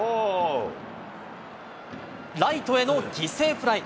ライトへの犠牲フライ。